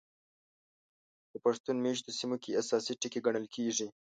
په پښتون مېشتو سیمو کې اساسي ټکي ګڼل کېږي.